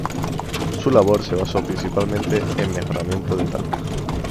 Su labor se basó principalmente en mejoramiento de Talca.